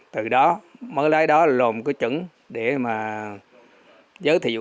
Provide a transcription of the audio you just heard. từ đó mới lấy đó là lồn có chứng để mà giới thiệu